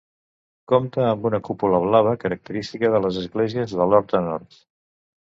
Compta amb una cúpula blava, característica de les esglésies de l'Horta Nord.